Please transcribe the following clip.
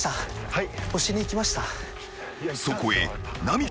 はい。